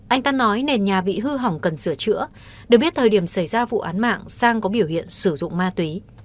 anh ta nói nền nhà bị hư hỏng cần sửa chữa được biết thời điểm xảy ra vụ án mạng sang có biểu hiện sử dụng ma túy